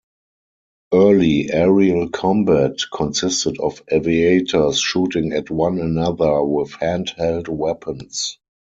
Early aerial combat consisted of aviators shooting at one another with hand held weapons.